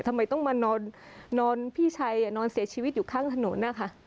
ทำไมต้องมานอนพี่ชัยนอนเสียชีวิตอยู่ข้างถนนนะคะ